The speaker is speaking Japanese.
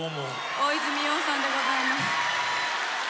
大泉洋さんでございます。